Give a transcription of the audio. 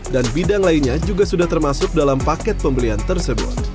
dan bidang lainnya juga sudah termasuk dalam paket pembelian tersebut